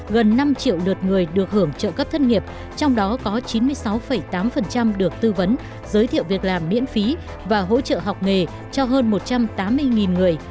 gần năm triệu lượt người được hưởng trợ cấp thất nghiệp trong đó có chín mươi sáu tám được tư vấn giới thiệu việc làm miễn phí và hỗ trợ học nghề cho hơn một trăm tám mươi người